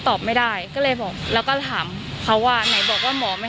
ตอบไม่ได้ก็เลยบอกแล้วก็ถามเขาว่าไหนบอกว่าหมอไม่